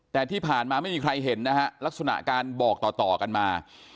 แต่ที่ผ่านมาไม่มีใครเห็นนะฮะลักษณะการบอกต่อกันมา